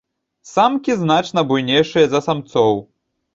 Самкі значна буйнейшыя за самцоў.